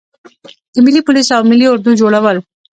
د ملي پولیسو او ملي اردو جوړول.